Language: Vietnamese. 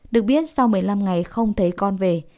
được biết sau một mươi năm ngày không thấy con về